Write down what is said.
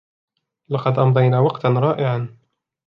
لقد أمضينا وقتا رائعا.